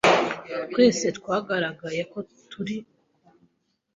Twese twaragaragaye ko ari umwere.